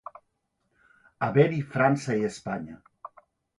Haver-hi França i Espanya.